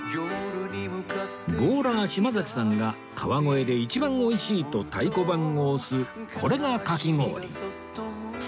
ゴーラー島崎さんが川越で一番おいしいと太鼓判を押す「これがかき氷」